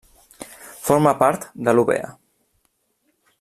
Forma part de l'úvea.